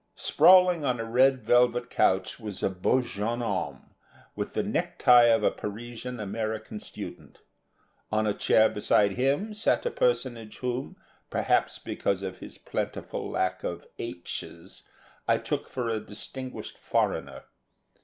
Sprawling on a red velvet couch was a beau jeune homme, with the necktie of a Parisian American student. On a chair beside him sat a personage whom, perhaps because of his plentiful lack of h's, I took for a distinguished foreigner.